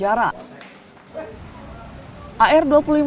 pertama rsk dan ms pasangan mesum